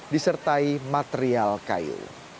disertai material kayu